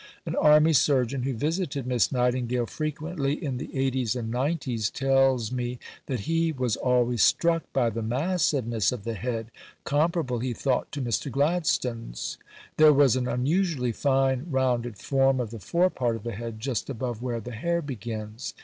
An Army Surgeon who visited Miss Nightingale frequently in the 'eighties and 'nineties tells me that he was always struck by the massiveness of the head, comparable, he thought, to Mr. Gladstone's. There was an unusually fine rounded form of the fore part of the head just above where the hair begins.